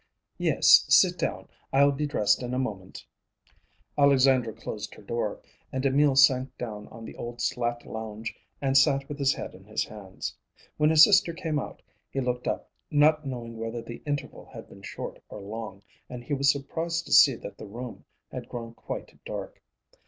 "Yes, sit down. I'll be dressed in a moment." Alexandra closed her door, and Emil sank down on the old slat lounge and sat with his head in his hands. When his sister came out, he looked up, not knowing whether the interval had been short or long, and he was surprised to see that the room had grown quite dark.